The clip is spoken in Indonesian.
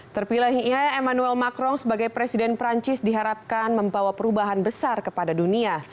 terpilihnya ia emmanuel macron sebagai presiden perancis diharapkan membawa perubahan besar kepada dunia